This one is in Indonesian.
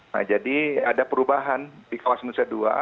nah jadi ada perubahan di kawasan nusa dua